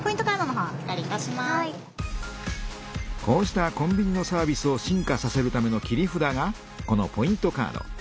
こうしたコンビニのサービスを進化させるための切り札がこのポイントカード。